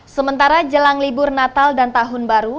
sementara jelang libur natal dan tahun baru